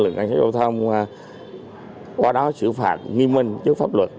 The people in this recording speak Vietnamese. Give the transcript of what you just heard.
cảnh sát giao thông qua đó xử phạt nghi minh trước pháp luật